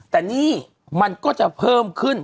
แต่หนี้มันก็จะเพิ่มขึ้น